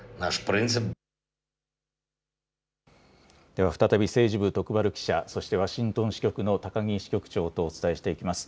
では再び政治部、徳丸記者、そしてワシントン支局の高木支局長とお伝えしていきます。